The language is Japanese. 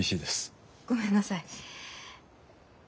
ごめんなさい。